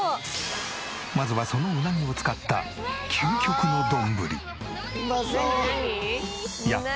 まずはそのうなぎを使った究極の丼。